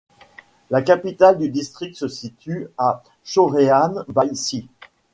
La capitale du district se situe à Shoreham-by-Sea.